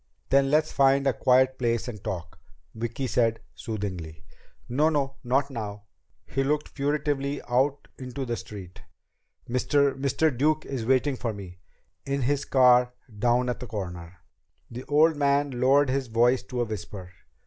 "Then let's find a quiet place and talk," Vicki said soothingly. "No, no. Not now." He looked furtively out into the street. "Mr. Mr. Duke is waiting for me. In his car down at the corner." The old man lowered his voice to a whisper.